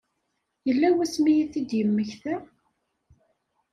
Yella wasmi i t-id-yemmekta?